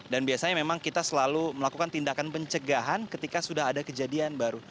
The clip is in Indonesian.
dan biasanya memang kita selalu melakukan tindakan pencegahan ketika sudah ada kejadian baru